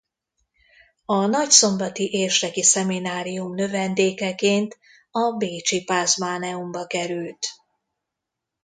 A nagyszombati érseki szeminárium növendékeként a bécsi Pázmáneumba került.